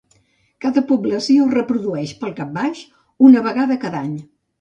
Cada població es reprodueix, pel cap baix, una vegada cada any.